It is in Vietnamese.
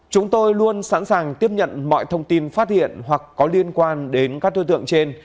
chúng tôi luôn sẵn sàng tiếp nhận mọi thông tin phát hiện hoặc có liên quan đến các đối tượng trên